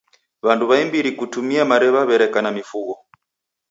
W'andu w'aimbiri kutumia mariw'a w'ereka na mifugho.